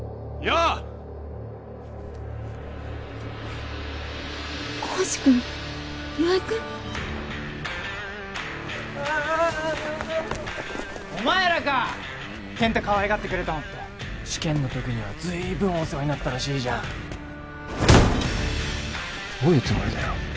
ああっああっお前らか健太かわいがってくれたのって試験の時には随分お世話になったらしいじゃんどういうつもりだよ？